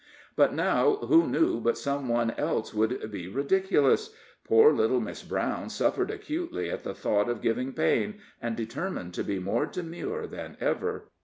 But now, who knew but some one else would be ridiculous? Poor little Miss Brown suffered acutely at the thought of giving pain, and determined to be more demure than ever.